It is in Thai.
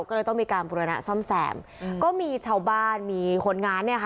ก็เลยต้องมีการบุรณะซ่อมแซมก็มีชาวบ้านมีคนงานเนี่ยค่ะ